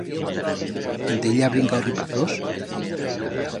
En Tella ha brincau ripazos?